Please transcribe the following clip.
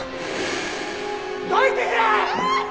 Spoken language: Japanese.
どいてくれ！